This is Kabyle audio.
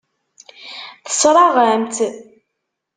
Tessṛeɣ-am-tt.